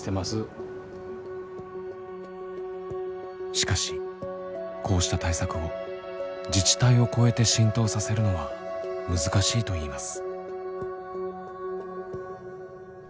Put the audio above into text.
しかしこうした対策を自治体を超えて浸透させるのは難しいといいます。